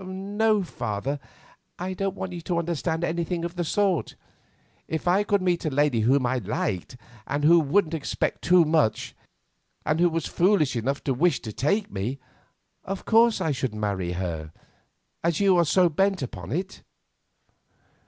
"No, father; I don't want you to understand anything of the sort. If I could meet a lady whom I liked, and who wouldn't expect too much, and who was foolish enough to wish to take me, of course I should marry her, as you are so bent upon it."